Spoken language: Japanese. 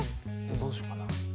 どうしようかな。